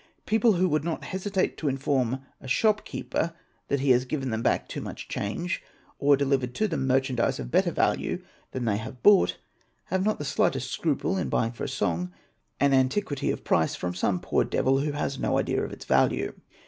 People who would not hesitate to inform a shop keeper that he has given" them back too much change or delivered to them merchandise of better | value than they have bought, have not the slightest scruple in buying for a song an antiquity of price from some poor devil who has no idea of its value.